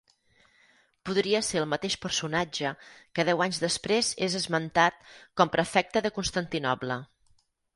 Podria ser el mateix personatge que deu anys després és esmentat com prefecte de Constantinoble.